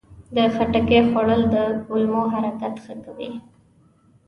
د خټکي خوړل د کولمو حرکت ښه کوي.